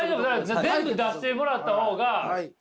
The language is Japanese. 全部出してもらった方が！